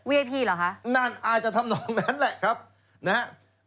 ให้พี่เหรอคะนั่นอาจจะทำนองนั้นแหละครับนะฮะ